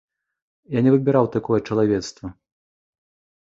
Я не выбіраў такое чалавецтва.